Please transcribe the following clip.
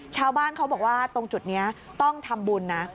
ชาวบ้านเขาบอกว่าตรงจุดนี้ต้องทำบุญนะ